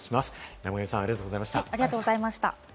山神さん、ありがとうございました。